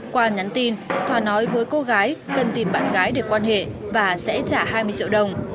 qua nhắn tin thoa nói với cô gái cần tìm bạn gái để quan hệ và sẽ trả hai mươi triệu đồng